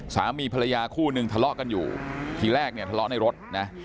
สามีภรรยาคู่นึงทะเลาะกันอยู่ทีแรกเนี่ยทะเลาะในรถนะ